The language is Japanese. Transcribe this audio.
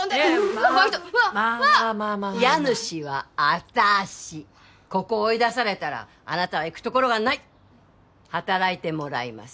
この人まあまあまあ家主は私ここを追い出されたらあなたは行くところがないっ働いてもらいます